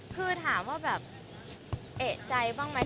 คือถามว่าแบบเอกใจบ้างไหม